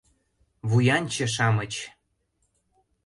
Вуянче-шамыч!